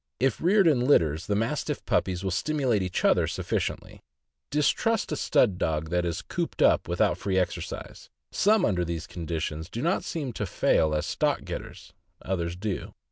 If reared in litters, the Mastiff puppies will stimulate each other sufficiently. Distrust a stud dog that is cooped up without free exercise; some under these circumstances do not seem to fail as stock getters, others do.